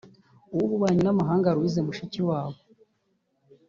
uw’Ububanyi n’Amahanga Louise Mushikiwabo